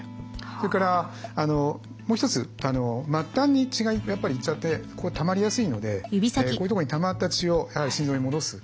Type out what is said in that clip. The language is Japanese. それからもう一つ末端に血がやっぱり行っちゃってたまりやすいのでこういうとこにたまった血をやはり心臓に戻す。